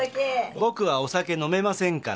僕はお酒飲めませんから。